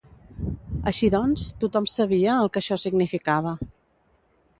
Així doncs, tothom sabia el que això significava.